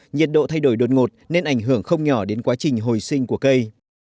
nhiệt độ thay đổi đột ngột nên ảnh hưởng không nhỏ đến quá trình hồi sinh của cây